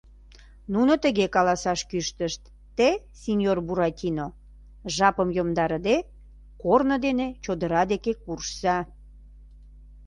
— Нуно тыге каласаш кӱштышт: те, синьор Буратино, жапым йомдарыде, корно дене чодыра деке куржса...